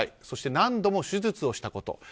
そして何度も手術をしたこと。